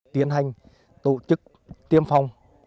tiến hành tổ chức tiêm phòng